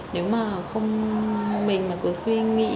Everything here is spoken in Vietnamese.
nếu mà không mình mà cứ suy nghĩ